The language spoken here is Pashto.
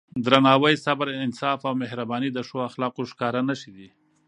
درناوی، صبر، انصاف او مهرباني د ښو اخلاقو ښکاره نښې دي.